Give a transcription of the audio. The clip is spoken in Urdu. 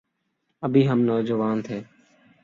ابھی ہم نوجوان تھے۔